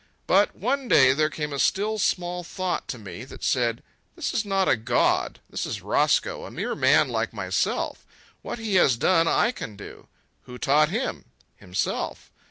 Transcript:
But, one day, there came a still small thought to me that said: "This is not a god; this is Roscoe, a mere man like myself. What he has done, I can do. Who taught him? Himself.